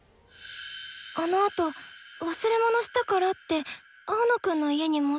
あのあと忘れ物したからって青野くんの家に戻ったの。